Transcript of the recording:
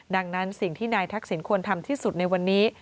ดังนั้นสิ่งที่นายทักษิณควรทำที่สุดในวันนี้